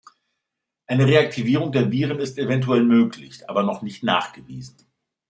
Eine Reaktivierung der Viren ist eventuell möglich, aber noch nicht nachgewiesen.